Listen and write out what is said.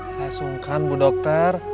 saya sungkan bu dokter